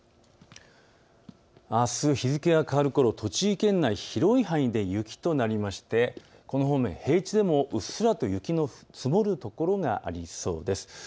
あす日付が変わるころ、栃木県内広い範囲で雪となりましてこの方面、平地でもうっすらと雪の積もる所がありそうです。